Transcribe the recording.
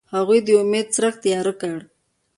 هغوی د امید څرک تیاره کړ.